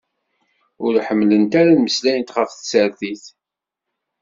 Ur ḥemmlent ara ad meslayent ɣef tsertit.